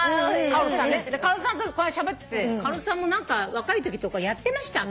カオルさんとこの間しゃべってて「カオルさんも何か若いときとかやってました？